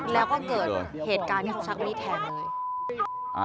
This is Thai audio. แล้วก็เกิดเหตุการณ์ที่เขาชักมีดแทงเลย